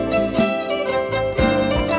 สวัสดีค่ะ